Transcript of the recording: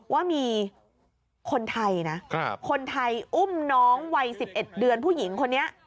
ว่ามีคนไทยนะคนไทยอุ้มน้องวัย๑๑เดือนผู้หญิงคนนี้